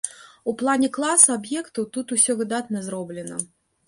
У плане класа аб'ектаў тут усё выдатна зроблена.